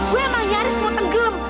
gue emang nyaris mau tenggelam